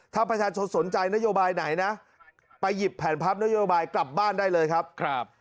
ถ้าประชาชนสนใจนโยบายไหนนะไปหยิบแผนพับนโยบายกลับบ้านได้เลยครับ